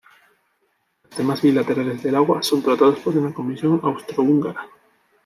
Los temas bilaterales del agua son tratados por una comisión Austro-Húngara.